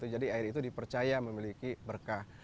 jadi air itu dipercaya memiliki berkah